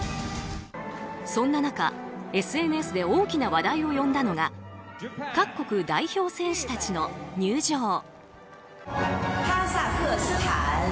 そんな中、ＳＮＳで大きな話題を呼んだのが各国代表選手たちの入場。